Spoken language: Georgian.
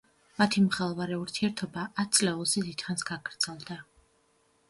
მათი მღელვარე ურთიერთობა ათწლეულზე დიდხანს გაგრძელდა.